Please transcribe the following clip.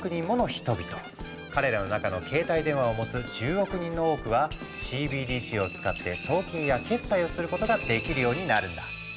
彼らの中の携帯電話を持つ１０億人の多くはＣＢＤＣを使って送金や決済をすることができるようになるんだ。